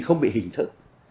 không bị hình thức